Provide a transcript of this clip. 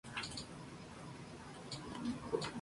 Ofrece formación de vela para personas mayores de ocho años.